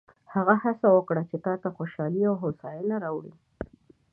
هغه هڅه وکړه چې تا ته خوشحالي او هوساینه راوړي.